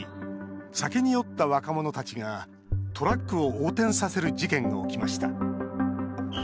酒に酔った若者たちがトラックを横転させる事件が起きました。